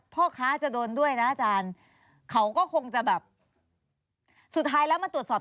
พ่อค้าจะโดนด้วยนะอาจารย์เขาก็คงจะแบบสุดท้ายแล้วมาตรวจสอบ